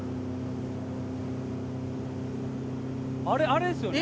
あれあれですよね？